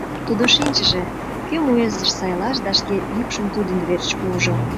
Тудо шинчыже, кӧм уездыш сайлаш, да шке йӱкшым тудын верч пуыжо.